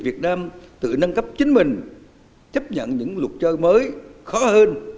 việt nam tự nâng cấp chính mình chấp nhận những luật chơi mới khó hơn